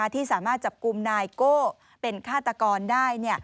ที่สามารถจับกลุ่มนายโก้เป็นฆาตกรได้